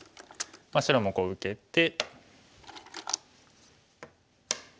白もこう受けて。